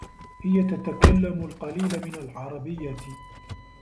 هي تتكلم القليل من العربية.